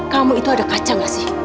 kamu itu ada kaca gak sih